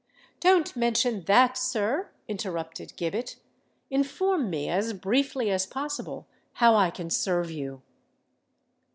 "Don't mention that, sir," interrupted Gibbet. "Inform me as briefly as possible how I can serve you."